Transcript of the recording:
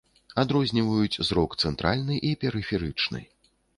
Адрозніваюць зрок цэнтральны і перыферычны.